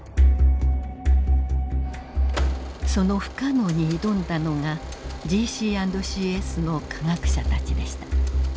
その不可能に挑んだのがＧＣ＆ＣＳの科学者たちでした。